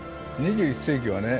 ２１世紀はね